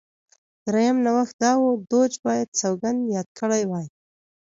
درېیم نوښت دا و دوج باید سوګند یاد کړی وای.